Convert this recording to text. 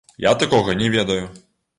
Я такога не ведаю!